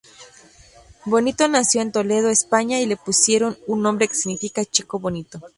Bonito nació en Toledo, España y le pusieron un nombre que significa chico bonito.